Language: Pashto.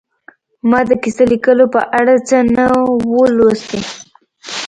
ما د کیسه لیکلو په اړه څه نه وو لوستي